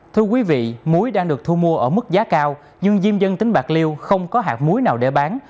thưa quý vị muối đang được thu mua ở mức giá cao nhưng diêm dân tỉnh bạc liêu không có hạt muối nào để bán